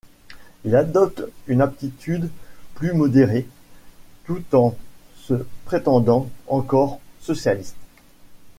Il adopte une attitude plus modérée tout en se prétendant encore socialiste.